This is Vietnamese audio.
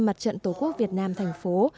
mặt trận tổ quốc việt nam thành phố